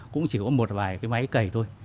cũng chỉ có một vài cái máy cầy thôi